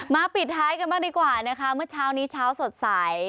ปิดท้ายกันบ้างดีกว่านะคะเมื่อเช้านี้เช้าสดใส